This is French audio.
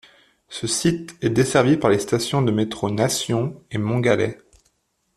Ce site est desservi par les stations de métro Nation et Montgallet.